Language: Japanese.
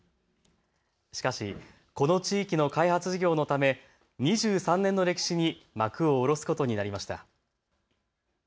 しかし、この地域の開発事業のため２３年の歴史に幕を下ろすことになりました。